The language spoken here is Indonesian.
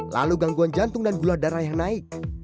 lalu gangguan jantung dan gula darah yang naik